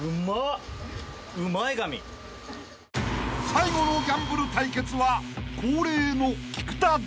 ［最後のギャンブル対決は恒例の］